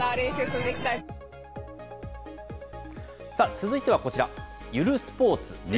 続いてはこちら、ゆるスポーツです。